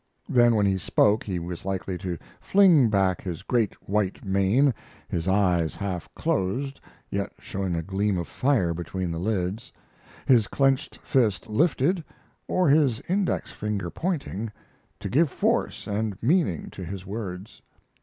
Then when he spoke he was likely to fling back his great, white mane, his eyes half closed yet showing a gleam of fire between the lids, his clenched fist lifted, or his index finger pointing, to give force and meaning to his words.